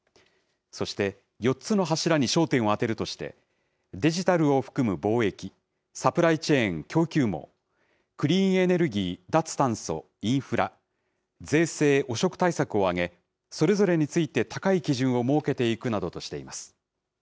そして、４つの柱に焦点を当てるとして、デジタルを含む貿易、サプライチェーン・供給網、クリーンエネルギー・脱炭素・インフラ、税制・汚職対策を挙げ、それぞれについて高い基準を設けていくなどとしています。